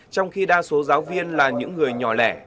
trong khi đa số giáo viên là những người nhỏ lẻ